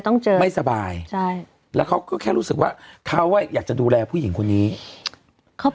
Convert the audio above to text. ต้องเจอไม่สบายใช่แล้วเขาก็แค่รู้สึกว่าเขาอ่ะอยากจะดูแลผู้หญิงคนนี้เขา